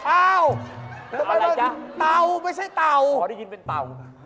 อ้าวเต่าไม่ใช่เต่าขอได้ยินเป็นเต่า